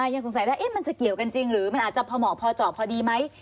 ยังสงสัยได้มันจะเกี่ยวกันจริงหรือมันอาจจะพอเหมาะพอเจาะพอดีไหม